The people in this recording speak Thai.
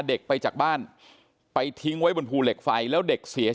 เด็กไปจากบ้านไปทิ้งไว้บนภูเหล็กไฟแล้วเด็กเสีย